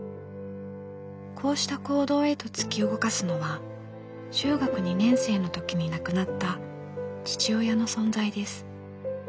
こうした行動へと突き動かすのは中学２年生の時に亡くなった父親の存在です。